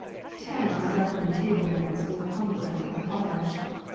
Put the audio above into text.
Ten are darkening the table legs with permanganate of potash.